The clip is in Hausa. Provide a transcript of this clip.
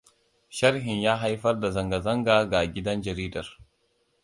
Sharhin ya haifar da zanga-zanga ga gidan jaridar.